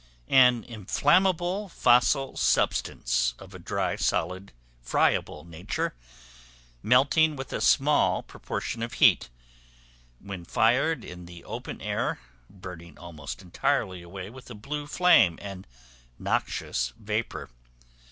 An inflammable, fossil substance, of a dry, solid, friable nature, melting with a small proportion of heat; when fired in the open air, burning almost entirely away with a blue flame and noxious vapor.